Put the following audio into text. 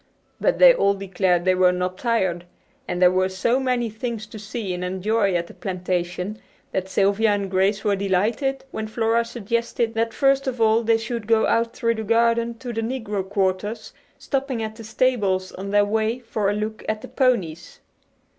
But they all declared they were not tired, and there were so many things to see and enjoy at the plantation that Sylvia and Grace were delighted when Flora suggested that first of all they should go out through the garden to the negro quarters, stopping at the stables on their way for a look at the ponies.